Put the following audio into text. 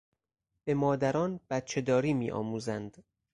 به مادران بچهداری میآموزند.